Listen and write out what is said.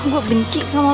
gua benci sama lu